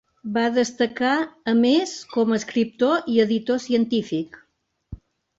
Va destacar, a més, com escriptor i editor científic.